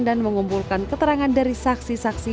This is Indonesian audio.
dan mengumpulkan keterangan dari saksi saksi